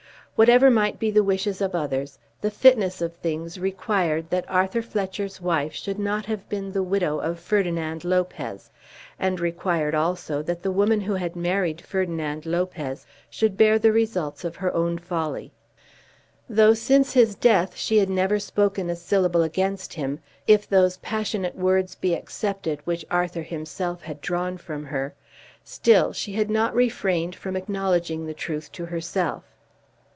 Whatever might be the wishes of others, the fitness of things required that Arthur Fletcher's wife should not have been the widow of Ferdinand Lopez, and required also that the woman who had married Ferdinand Lopez should bear the results of her own folly. Though since his death she had never spoken a syllable against him, if those passionate words be excepted which Arthur himself had drawn from her, still she had not refrained from acknowledging the truth to herself.